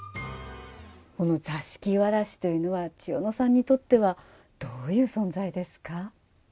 このざしきわらしというのは千代乃さんにとってはどういう存在ですか？